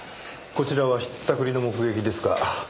こちらはひったくりの目撃ですか。